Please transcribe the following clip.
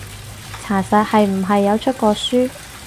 查實係唔係有出過書？